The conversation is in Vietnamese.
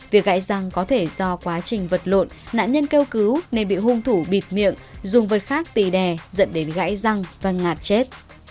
việc gãy răng có thể do quá trình vật lộn nạn nhân kêu cứu nên bị hung thủ bịt miệng dùng vật khác tì đè dẫn đến gãy răng và ngạt chết